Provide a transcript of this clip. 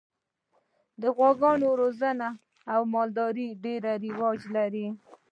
د غواګانو روزنه او مالداري ډېر رواج لري.